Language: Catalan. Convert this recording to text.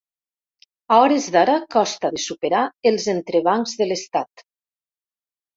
A hores d’ara costa de superar els entrebancs de l’estat.